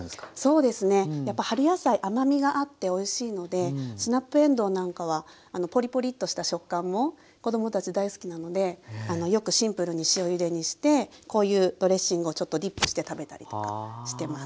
そうですね。やっぱ春野菜甘みがあっておいしいのでスナップえんどうなんかはポリポリッとした食感も子供たち大好きなのでよくシンプルに塩ゆでにしてこういうドレッシングをちょっとディップして食べたりとかしてます。